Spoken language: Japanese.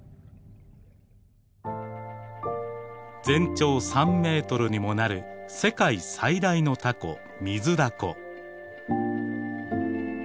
全長３メートルにもなる世界最大のタコ